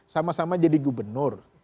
sama sama jadi gubernur